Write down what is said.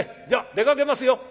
じゃあ出かけますよ」。